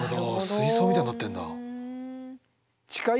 水槽みたいになってんだ。